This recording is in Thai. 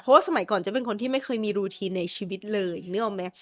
เพราะว่าสมัยก่อนเจ๊เป็นคนที่ไม่เคยมีรูทีนในชีวิตเลยนึกออกไหม